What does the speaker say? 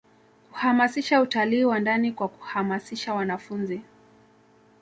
kuhamasisha utali wa ndani kwa kuhamasisha wanafunzi